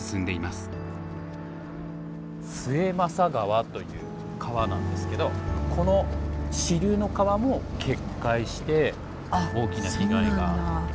末政川という川なんですけどこの支流の川も決壊して大きな被害が出たんですよ。